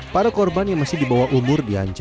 para korban yang masih di bawah umur